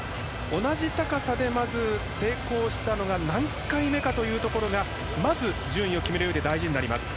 同じ高さでまず成功したのが何回目かというところがまず、順位を決めるうえで大事になります。